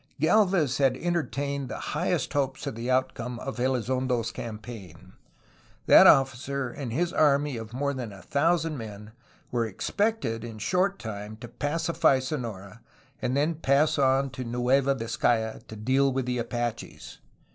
Gdlvez had entertained the highest hopes of the outcome of Elizondo^s campaign. That officer and his army of more than a thousand men were expected in a short time to pacify Sonora and then to pass on to Nueva Vizcaya to deal with the Apaches.